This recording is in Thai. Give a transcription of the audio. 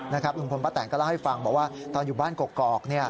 ลุงพลป้าแตนก็เล่าให้ฟังบอกว่าตอนอยู่บ้านกอก